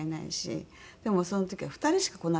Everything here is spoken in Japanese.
でもその時は２人しか来なくて。